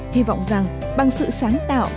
hy vọng rằng bằng sự sáng tạo